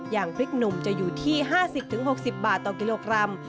อย่างพริกหนุ่มจะอยู่ที่๕๐๖๐บาทต่อกิโลกรัม